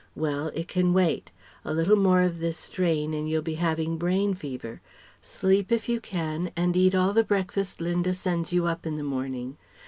Well! It can wait. A little more of this strain and you'll be having brain fever. Sleep if you can, and eat all the breakfast Linda sends you up in the morning.